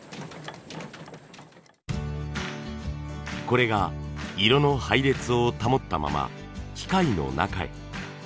これが色の配列を保ったまま機械の中へ。